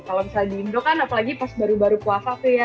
kalau misalnya di indo kan apalagi pas baru baru puasa tuh ya